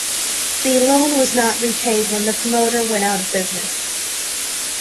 The loan was not repaid when the promoter went out of business.